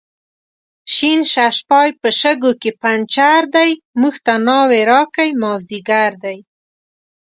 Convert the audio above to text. شین ششپای په شګو کې پنچر دی، موږ ته ناوې راکئ مازدیګر دی